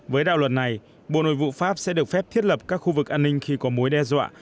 với đạo luật này bộ nội vụ pháp sẽ được phép thiết lập các khu vực an ninh khi có mối đe dọa